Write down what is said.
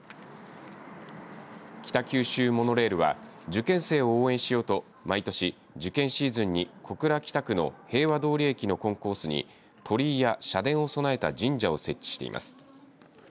北九州モノレールは受験生を応援しようと毎年、受験シーズンに小倉北区の平和通駅のコンコースに鳥居や社殿を備えた神社を設置しています。